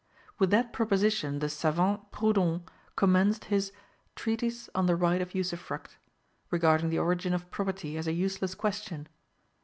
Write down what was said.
With that proposition the savant Proudhon commenced his "Treatise on the Right of Usufruct," regarding the origin of property as a useless question.